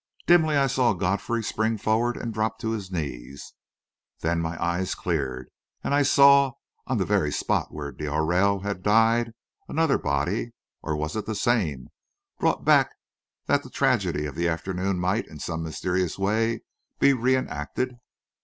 Dimly I saw Godfrey spring forward and drop to his knees. Then my eyes cleared, and I saw, on the very spot where d'Aurelle had died, another body or was it the same, brought back that the tragedy of the afternoon might, in some mysterious way, be re enacted?